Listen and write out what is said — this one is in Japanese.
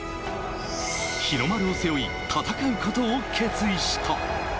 日の丸を背負い、戦うことを決意した。